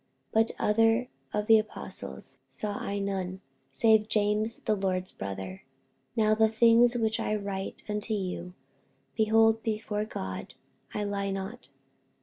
48:001:019 But other of the apostles saw I none, save James the Lord's brother. 48:001:020 Now the things which I write unto you, behold, before God, I lie not.